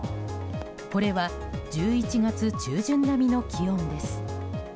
これは１１月中旬並みの気温です。